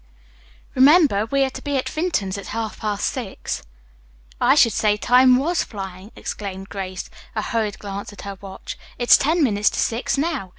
Remember, we are to be at Vinton's at half past six." "I should say time was flying!" exclaimed Grace, casting a hurried glance at her watch. "It's ten minutes to six now.